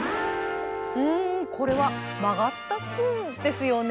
うんこれは曲がったスプーンですよね？